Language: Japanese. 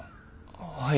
はい。